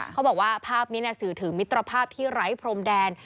เขาบอกว่าภาพนี้สื่อถึงมิตรภาพที่ไร้พรมแดน